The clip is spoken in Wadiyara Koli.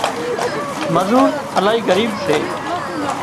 مزور الاهي ڳريٻ سي